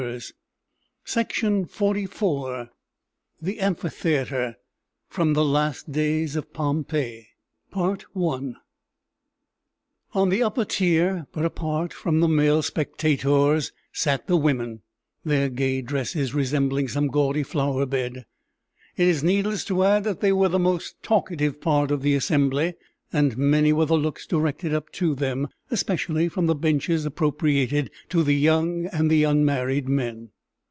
[Illustration: Signature:] THE AMPHITHEATRE From 'The Last Days of Pompeii' On the upper tier (but apart from the male spectators) sat the women, their gay dresses resembling some gaudy flowerbed; it is needless to add that they were the most talkative part of the assembly; and many were the looks directed up to them, especially from the benches appropriated to the young and the unmarried men.